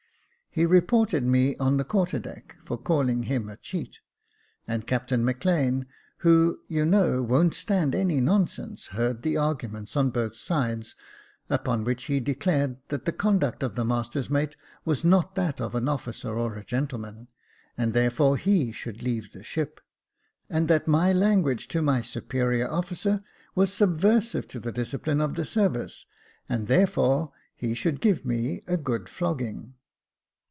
He reported me on the quarter deck for caUing him a cheat, and Captain Maclean, who, you know, won't stand any nonsense, heard the arguments on both sides ; upon which he declared that the conduct of the master's mate was not that of an officer or a gentleman, and therefore he should leave the ship ; and that my language to my superior officer was subversive to the discipline of the service, and therefore he should give me a good flogging.